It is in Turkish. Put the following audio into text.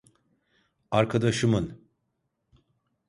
Arkadaşımın